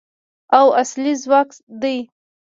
او اصلي ځواک دی.